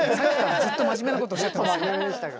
ずっと真面目なことおっしゃってますよ。